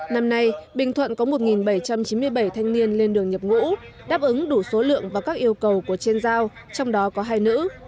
năm nay bình thuận có một bảy trăm chín mươi bảy thanh niên lên đường nhập ngũ đáp ứng đủ số lượng và các yêu cầu của trên giao trong đó có hai nữ